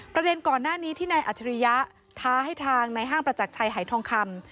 ประเด็นก่อนหน้านี้ที่นายอัจฉริยะท้าให้ทางในห้างประจักรชัยหายทองคำ